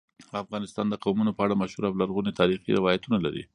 افغانستان د قومونه په اړه مشهور او لرغوني تاریخی روایتونه لري.